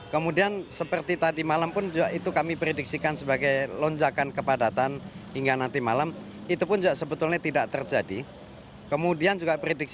kemudian seperti tadi malam pun juga itu kami prediksikan sebagai lonjakan kepadatan hingga nanti malam itu pun juga sebetulnya tidak terjadi